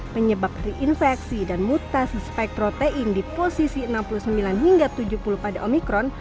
penyebab reinfeksi dan mutasi spektrotein di posisi enam puluh sembilan hingga tujuh puluh pada omikron